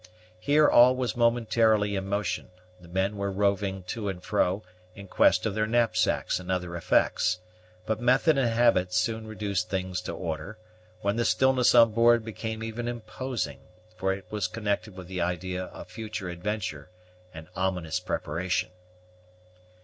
Here all was momentarily in motion; the men were roving to and fro, in quest of their knapsacks and other effects; but method and habit soon reduced things to order, when the stillness on board became even imposing, for it was connected with the idea of future adventure and ominous preparation.